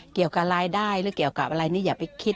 เกี่ยวกับรายได้หรือเกี่ยวกับอะไรนี่อย่าไปคิด